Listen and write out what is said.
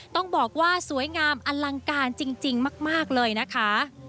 ต้องบอกว่าสวยงามอลังการจริงมากเลยนะคะ